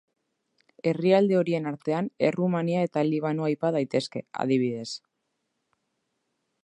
Herrialde horien artean Errumania eta Libano aipa daitezke, adibidez.